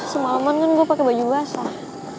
semalaman kan gue pakai baju basah